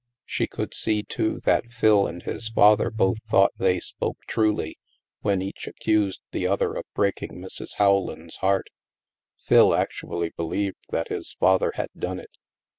She could see, too, that Phil and his father both thought they spoke truly when each accused the other of breaking Mrs. Rowland's heart. Phil actually believed that his father had done it.